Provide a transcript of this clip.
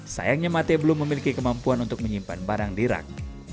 sayangnya mate belum memiliki kemampuan untuk menyimpan barang di rak